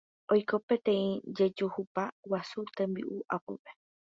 Oiko peteĩ jejuhupa guasu tembi'u apópe